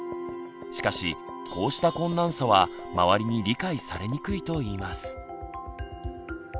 しかしこうした困難さは周りに理解されにくいといいます。